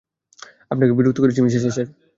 আপনাকে বিরক্ত করছি মিসেস এশার?